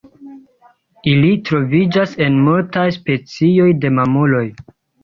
Ili troviĝas en multaj specioj de mamuloj.